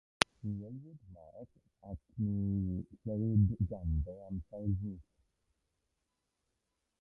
Ni welwyd Mark, ac ni chlywyd ganddo, am sawl mis.